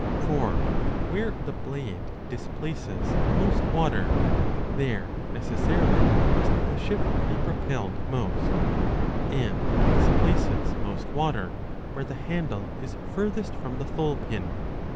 For where the blade displaces most water, there neces sarily must the ship be propelled most ; and it displaces 25 most water where the handle is furthest from the thole pin.